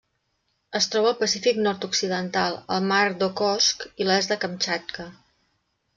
Es troba al Pacífic nord-occidental: el mar d'Okhotsk i l'est de Kamtxatka.